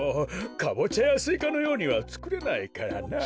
カボチャやスイカのようにはつくれないからなあ。